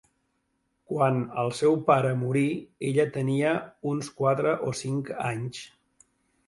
Quan el seu pare morí, ella tenia uns quatre o cinc anys.